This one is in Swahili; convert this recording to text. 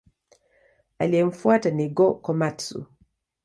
Aliyemfuata ni Go-Komatsu.